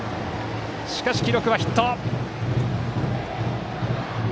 しかし、記録はヒット。